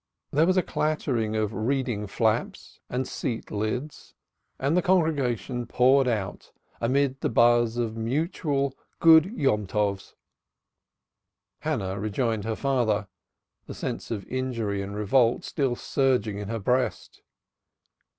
There was a clattering of reading flaps and seat lids and the congregation poured out, amid the buzz of mutual "Good Yomtovs." Hannah rejoined her father, the sense of injury and revolt still surging in her breast.